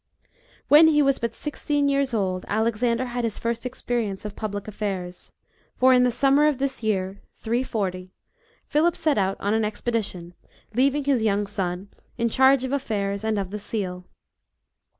WHEN he was but sixteen years old, Alexander had his first experience of public affairs ; for in the summer of this year, 340, Philip set out on an ex pedition, leaving his young son " in charge of affairs and of the seal."